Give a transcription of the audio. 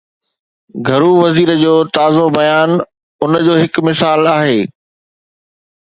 گهرو وزير جو تازو بيان ان جو هڪ مثال آهي.